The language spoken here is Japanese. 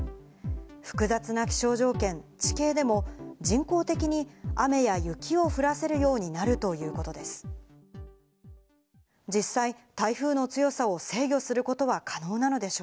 複雑な気象条件、地形でも、人工的に雨や雪を降らせるようになるということです。